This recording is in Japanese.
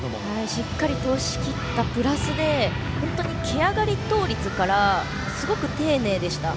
しっかり通しきったプラスで本当に、け上がり倒立からすごく丁寧でした。